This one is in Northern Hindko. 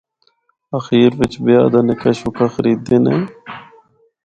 آخیر وچ بیاہ دا نکا شکا خریدے نے۔